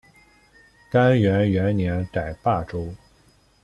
干元元年改霸州。